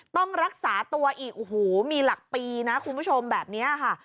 ต้องรักษาตัวอีกโอ้โหมีหลักปีนะคุณผู้ชมแบบนี้ค่ะ